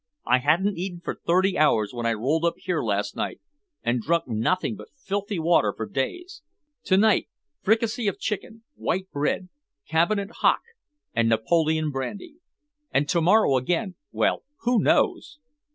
I hadn't eaten for thirty hours when I rolled up here last night, and drunk nothing but filthy water for days. To night, fricassee of chicken, white bread, cabinet hock and Napoleon brandy. And to morrow again well, who knows?